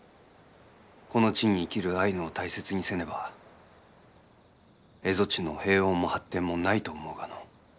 この地に生きるアイヌを大切にせねば蝦夷地の平穏も発展もないと思うがのう。